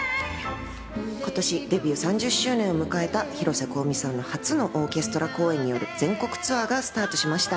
今年デビュー３０周年を迎えた広瀬香美さんの初のオーケストラ公演による全国ツアーがスタートしました。